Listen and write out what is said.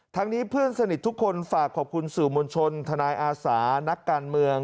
นี้เพื่อนสนิททุกคนฝากขอบคุณสื่อมวลชนทนายอาสานักการเมือง